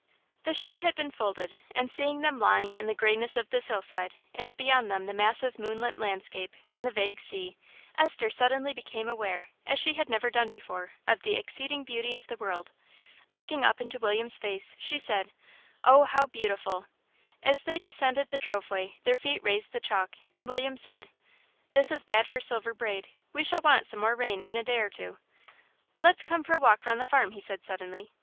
The sheep had been folded, and seeing them lying in the greyness of this hill side, and beyond them the massive moonlit landscape and the vague sea, Esther suddenly became aware, as she had never done before, of the exceeding beauty of the world. Looking up in William's face, she said "Oh, how beautiful!" As they descended the drove way their feet raised the chalk, and William said "This is bad for Silver Braid; we shall want some more rain in a day or two.... Let's come for a walk round the farm," he said suddenly.